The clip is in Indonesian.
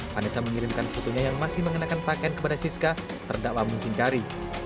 vanessa mengirimkan fotonya yang masih mengenakan pakaian kepada siska terdakwa muncingkari